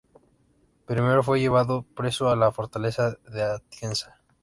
Primero fue llevado preso a la fortaleza de Atienza.